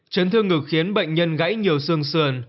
chấn thương ngực khiến bệnh nhân gãy nhiều xương sườn